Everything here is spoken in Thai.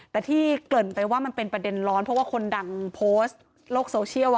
แต่ที่เกริ่นไปว่ามันเป็นประเด็นร้อนเพราะว่าคนดังโพสต์โลกโซเชียล